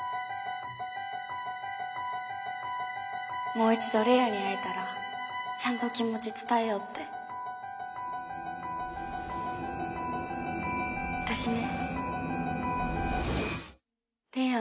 もう一度玲矢に会えたらちゃんと気持ち伝えようって私ね